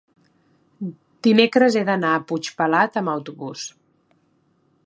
dimecres he d'anar a Puigpelat amb autobús.